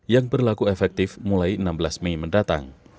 yang berlaku efektif mulai enam belas mei mendatang